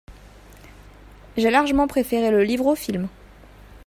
J'ai largement préféré le livre au film.